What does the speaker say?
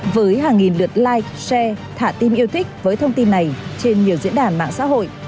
với hàng nghìn lượt like share thả tim yêu thích với thông tin này trên nhiều diễn đàn mạng xã hội